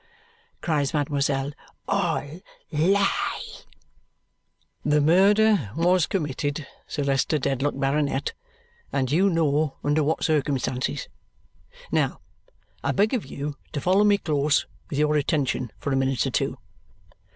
cries mademoiselle. "All lie!" "The murder was committed, Sir Leicester Dedlock, Baronet, and you know under what circumstances. Now, I beg of you to follow me close with your attention for a minute or two.